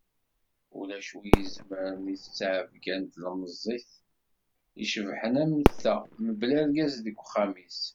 Ulac win izemren i ttɛebga n tlemẓit icebḥen am ta mebla argaz deg uxxam-is.